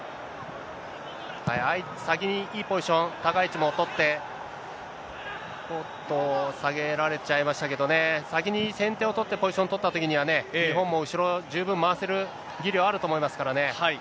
先にいいポジション、高い位置も取って、おっと、下げられちゃいましたけどね、先に先手を取ってポジション取ったときにはね、日本も後ろ、十分回せる技量あると思いますからね。